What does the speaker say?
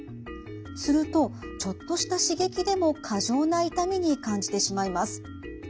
するとちょっとした刺激でも過剰な痛みに感じてしまいます。